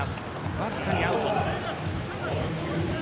わずかにアウト。